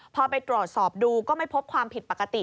พอไปตรวจสอบดูก็ไม่พบความผิดปกติ